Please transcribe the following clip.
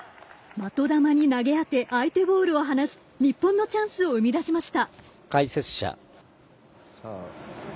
的球に投げあて相手ボールを離し日本のチャンスを生み出しました。